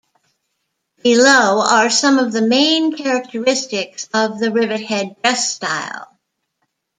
Below are some of the main characteristics of the rivethead dress style.